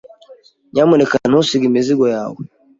Nyamuneka ntusige imizigo yawe.